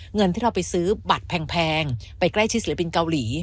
เงินที่เราไปซื้อบัตรแพงไปใกล้ชิดศิลปินเกาหลี